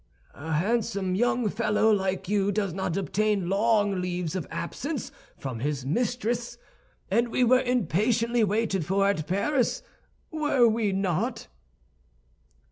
"A handsome young fellow like you does not obtain long leaves of absence from his mistress; and we were impatiently waited for at Paris, were we not?"